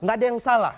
gak ada yang salah